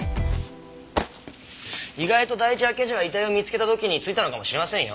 意外と第一発見者が遺体を見つけた時についたのかもしれませんよ。